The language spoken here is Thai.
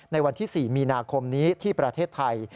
ในวันที่๔มีนาคมนี้ที่ประเทศไทย